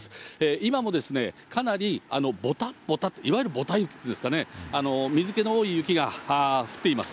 今もかなり、ぼたっぼたっと、いわゆるぼた雪というんですかね、水けの多い雪が降っています。